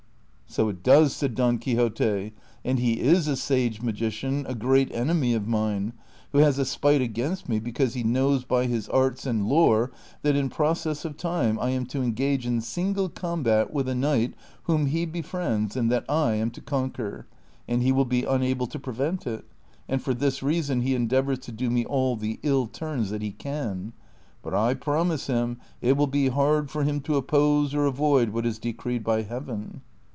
" So it does," said Don Quixote, " and he is a sage magician, a great enemy of mine, who has a spite against me because he knows by his arts and lore that in process of time I am to en gage in single combat with a knight whom he befriends and that I am to conquer, and he will be unable to prevent it ; and for this reason he endeavors to do me all the ill turns that he can ; but I promise him it will be hard for him to oppose or avoul what is decreed by Heaven."